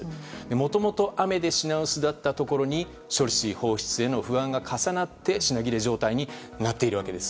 もともと雨で品薄だったところに処理水放出への不安が重なって品切れ状態になっているわけです。